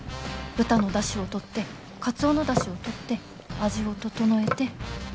豚の出汁をとってカツオの出汁をとって味を調えて。